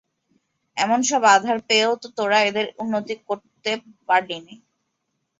এমন সব আধার পেয়েও তোরা এদের উন্নতি করতে পারলিনি।